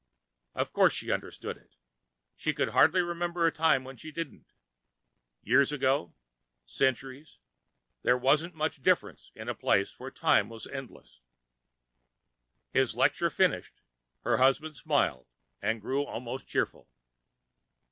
Of course she understood it. She could hardly remember the time when she didn't. Years ago? Centuries? There wasn't much difference in a place where time was endless. His lecture finished, her husband smiled and grew almost cheerful.